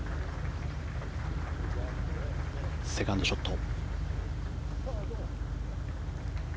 セカンドショット。